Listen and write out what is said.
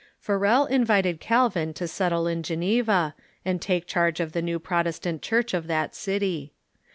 Farel invited Calvin to settle in Geneva, and take charge of the new Protestant Church of that city.